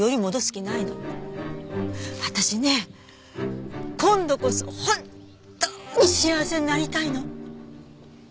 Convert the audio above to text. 私ね今度こそ本当に幸せになりたいの。